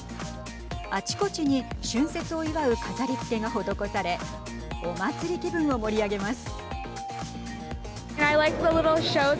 あちこちに春節を祝う飾りつけが施されお祭り気分を盛り上げます。